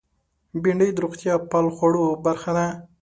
بېنډۍ د روغتیا پال خوړو برخه ده